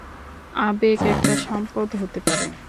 আবেগ একটা সম্পদ হতে পারে।